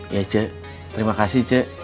ya je terima kasih je